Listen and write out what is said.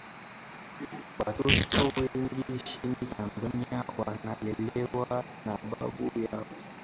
watoto wengi nchini tanzania wanalelewa na babu yao